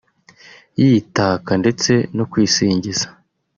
yitaka ndetse no kwisingiza